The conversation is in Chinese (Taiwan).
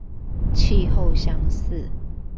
氣候相似